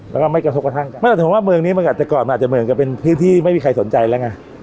แล้วก็ไม่กระทบกระทั่งกันไม่แต่ผมว่าเมืองนี้มันอาจจะก่อนมันอาจจะเหมือนกับเป็นพื้นที่ไม่มีใครสนใจแล้วไง